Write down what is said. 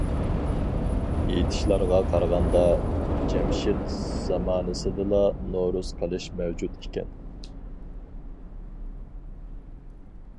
ئېيتىشلارغا قارىغاندا، جەمشىت زامانىسىدىلا نورۇز قىلىش مەۋجۇت ئىكەن.